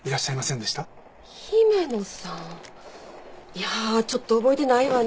いやあちょっと覚えてないわね。